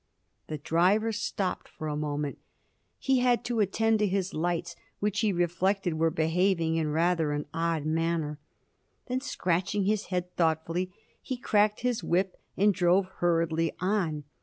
The driver stopped for a moment. He had to attend to his lights, which, he reflected, were behaving in rather an odd manner. Then, scratching his head thoughtfully, he cracked his whip and drove hurriedly on.